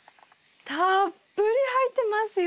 たっぷり入ってますよ！